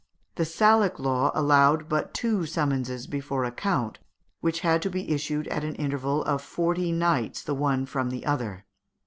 The Salic law allowed but two summonses before a count, which had to be issued at an interval of forty nights the one from the other.